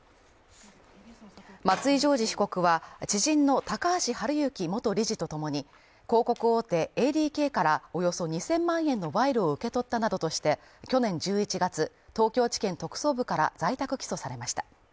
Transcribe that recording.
松井譲二被告は知人の高橋治之元理事とともに広告大手ＡＤＫからおよそ２０００万円の賄賂を受け取ったなどとして去年１１月、東京地検特捜部から在宅起訴されました。